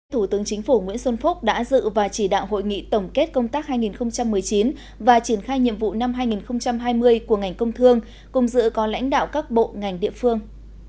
thủ tướng chính phủ nguyễn xuân phúc đã dự và chỉ đạo hội nghị tổng kết công tác hai nghìn một mươi chín và triển khai nhiệm vụ năm hai nghìn hai mươi của ngành công thương cùng dự có lãnh đạo các bộ ngành địa phương